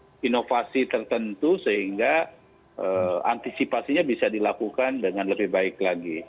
ini bukan satu inovasi tertentu sehingga antisipasinya bisa dilakukan dengan lebih baik lagi